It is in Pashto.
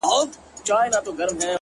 حقیقت تل پاتې وي